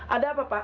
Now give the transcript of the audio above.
ada apa pak